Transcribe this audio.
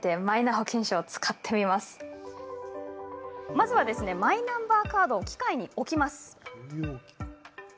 まずは、マイナンバーカードを機械に置きます。